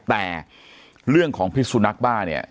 แต่เรื่องของพิสุนักบ้าเนี่ย